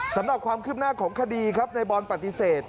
สำหรับความคืบหน้าของคดีครับในบอลปฏิเสธ